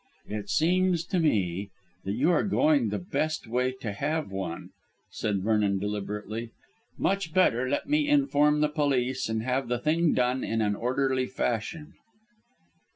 "It seems to me that you are going the best way to have one," said Vernon deliberately; "much better let me inform the police and have the thing done in an orderly fashion."